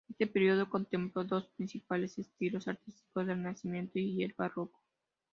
Este período contempló dos principales estilos artísticos: el Renacimiento y el Barroco.